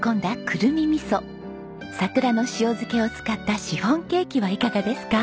くるみみそ桜の塩漬けを使ったシフォンケーキはいかがですか？